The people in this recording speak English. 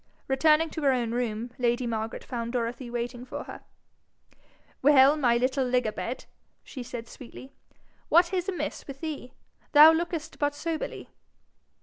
Returning to her own room, lady Margaret found Dorothy waiting for her. 'Well, my little lig a bed!' she said sweetly, 'what is amiss with thee? Thou lookest but soberly.'